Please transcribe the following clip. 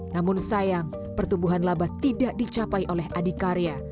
namun sayang pertumbuhan laba tidak dicapai oleh adikarya